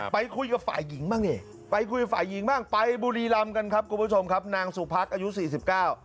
ไปคุยกับฝ่ายหญิงมากนี่ไปบุรีลำครับนางสูภัษน์สี่สิบเก้า